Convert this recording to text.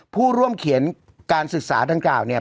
ผู้ร่วมเขียนการศึกษาดังกล่าวเนี่ย